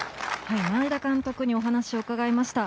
前田監督にお話を伺いました。